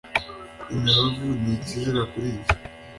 , imibavu ni ikizira kuri jye